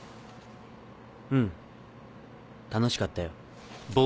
うん楽しかったよ。